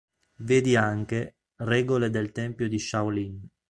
Vedi anche: Regole del Tempio di Shaolin.